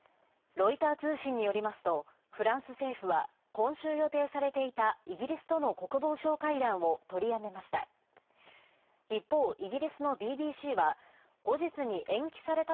ロイター通信によりますと、フランス政府は、今週予定されていたイギリスとの国防相会談を取りやめました。